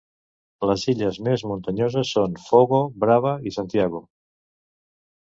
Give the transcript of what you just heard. Les illes més muntanyoses són Fogo, Brava i Santiago.